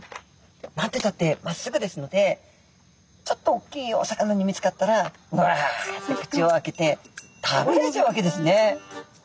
何てったってまっすぐですのでちょっと大きいお魚に見つかったらわっと口を開けて食べられちゃうわけですね。